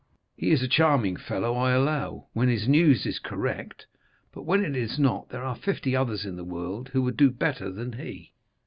He is a charming fellow, I allow, when his news is correct; but when it is not, there are fifty others in the world who would do better than he."